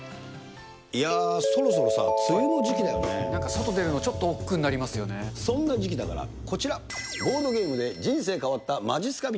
いや、そろそろさ、梅雨の時なんか外出るの、ちょっとおそんな時期だからこちら、ボードゲームで人生変わったまじっすか人。